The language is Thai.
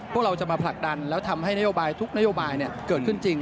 พวกเราจะมาผลักดันแล้วทำให้นโยบายทุกนโยบายเกิดขึ้นจริง